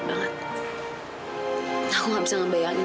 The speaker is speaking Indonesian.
saya tidak bisa membayangkan